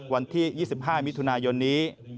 วันที่๒๕มิถุนายนนี้